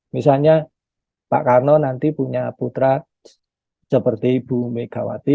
misalnya pak karno nanti punya putra seperti ibu megawati